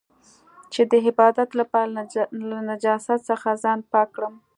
چې د عبادت لپاره له نجاست څخه ځان پاک کړم.